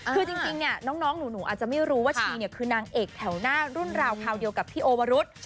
คือจริงเนี่ยน้องหนูอาจจะไม่รู้ว่าชีเนี่ยคือนางเอกแถวหน้ารุ่นราวคราวเดียวกับพี่โอวรุษ